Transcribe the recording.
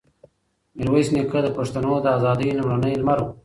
ميرويس خان نیکه د پښتنو د ازادۍ لومړنی لمر و.